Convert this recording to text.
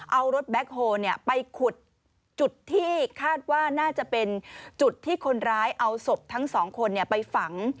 เอารถแบ็คโฮลไปขุดจุดที่คาดว่าน่าจะเป็นจุดที่คนร้ายเอาศพทั้งสองคนไปฝัง